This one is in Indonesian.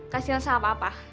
kasian sama papa